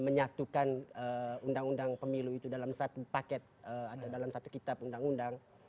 menyatukan undang undang pemilu itu dalam satu paket atau dalam satu kitab undang undang